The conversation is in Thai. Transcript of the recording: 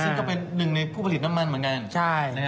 ซึ่งก็เป็นหนึ่งในผู้ผลิตน้ำมันเหมือนกัน